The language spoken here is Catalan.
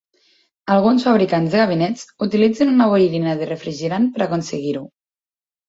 Alguns fabricants de ganivets utilitzen una boirina de refrigerant per aconseguir-ho.